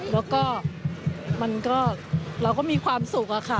แล้วก็เราก็มีความสุขอะค่ะ